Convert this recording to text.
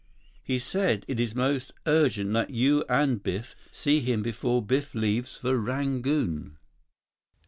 "He said it is most urgent that you and Biff see him before Biff leaves for Rangoon."